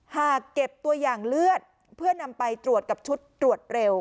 หากเก็บตัวอย่างเลือดเพื่อนำไปตรวจกับชุดตรวจเร็ว